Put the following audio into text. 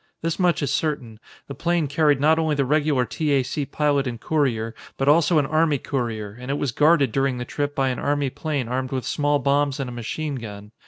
This much is certain: The plane carried not only the regular T. A. C. pilot and courier, but also an army courier, and it was guarded during the trip by an army plane armed with small bombs and a machine gun.